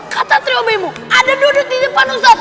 kata triobemu ada duduk di depan ustadz